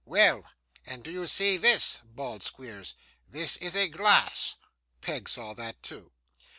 'Well, and do you see THIS?' bawled Squeers. 'This is a glass.' Peg saw that too.